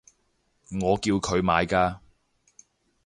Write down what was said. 我叫佢買㗎